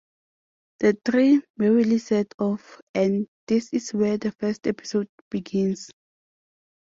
The three merrily set off, and this is where the first episode begins.